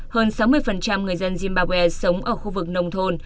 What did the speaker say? hơn sáu mươi người dân zimbawe sống ở khu vực nông thôn